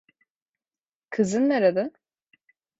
Kızın nerede?